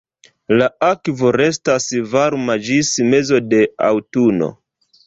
La akvo restas varma ĝis mezo de aŭtuno.